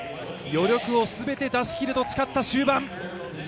余力を全て出しきると誓った終盤。